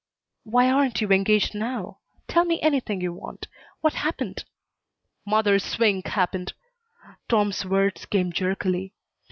"Why aren't you engaged now? Tell me anything you want. What happened?" "Mother Swink happened!" Tom's words came jerkily.